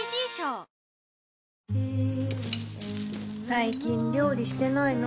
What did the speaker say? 最近料理してないの？